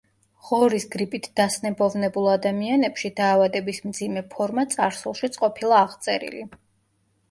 ღორის გრიპით დასნებოვნებულ ადამიანებში დაავადების მძიმე ფორმა წარსულშიც ყოფილა აღწერილი.